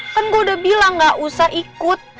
kan gue udah bilang gak usah ikut